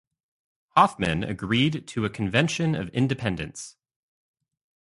Hofmann, agreed to a convention of independence.